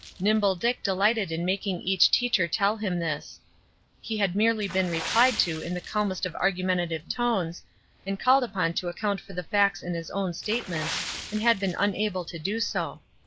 Nimble Dick delighted in making each teacher tell him this; he had merely been replied to in the calmest of argumentative tones, and called upon to account for the facts in his own statements, and had been unable to do so.